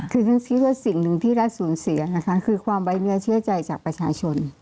คือขึ้นกับสิ่งหนึ่งที่รัฐสูญเสียคือความไว้เนื้อเชื่อใจจากประชาชน